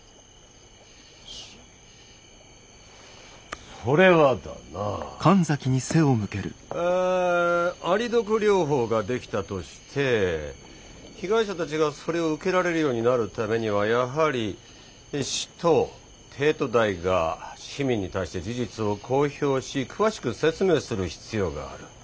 そそれはだなアリ毒療法が出来たとして被害者たちがそれを受けられるようになるためにはやはり市と帝都大が市民に対して事実を公表し詳しく説明する必要がある。